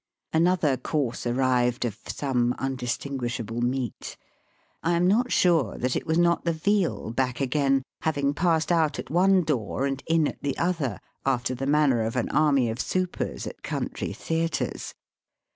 Another course arrived of some undis tinguishable meat. I am not sure that it was not the veal back again, having passed out at one door and in at the other, after the manner of an army of supers at country theatres.